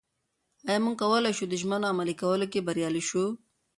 ایا موږ کولای شو د ژمنو عملي کولو کې بریالي شو؟